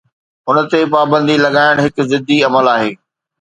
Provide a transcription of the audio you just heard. ان تي پابندي لڳائڻ هڪ ضدي عمل آهي.